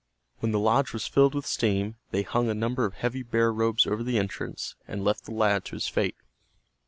When the lodge was filled with steam they hung a number of heavy bear robes over the entrance, and left the lad to his fate.